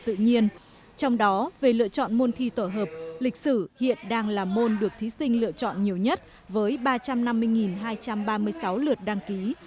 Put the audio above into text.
trong đó về lựa chọn môn thi tổ hợp lịch sử hiện đang là môn được thí sinh lựa chọn nhiều nhất với ba trăm năm mươi hai trăm ba mươi sáu lượt đăng ký